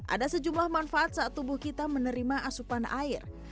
ada sejumlah manfaat saat tubuh kita menerima asupan air